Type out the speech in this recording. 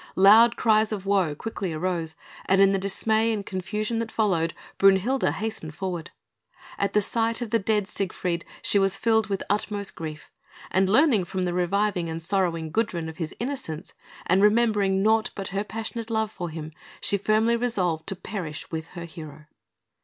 Loud cries of woe quickly arose, and in the dismay and confusion that followed, Brünhilde hastened forward. At sight of the dead Siegfried, she was filled with utmost grief, and learning from the reviving and sorrowing Gudrun of his innocence, and remembering naught but her passionate love for him, she firmly resolved to perish with her hero.